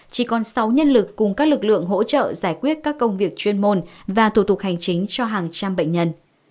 chỉ còn sáu nhân lực cùng các lực lượng hỗ trợ giải quyết các công việc chuyên môn và thủ tục hành chính cho hàng trăm bệnh nhân